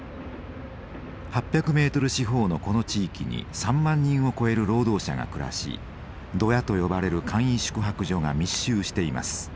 ８００メートル四方のこの地域に３万人を超える労働者が暮らし「ドヤ」と呼ばれる簡易宿泊場が密集しています。